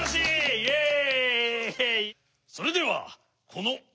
イエイ！